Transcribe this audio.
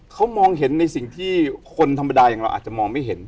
เขามองเห็นในสิ่งที่คนธรรมดาอย่างเราอาจจะมองไม่เห็น